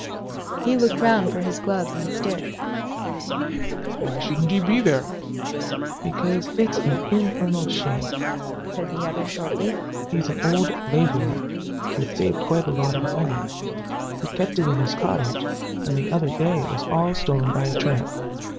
He looked round for his gloves and stick. "Why shouldn't he be there?" "Because it's an infernal shame!" said the other, shortly. "He's an old laborer who'd saved quite a lot of money. He kept it in his cottage, and the other day it was all stolen by a tramp.